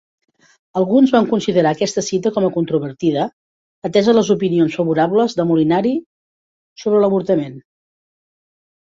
Alguns van considerar aquesta cita com a controvertida, ateses les opinions favorables de Molinari sobre l'avortament.